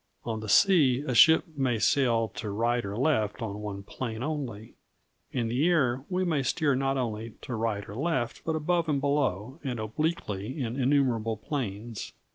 On the sea, a ship may sail to right or left on one plane only. In the air, we may steer not only to right or left, but above and below, and obliquely in innumerable planes.